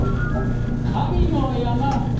神の山！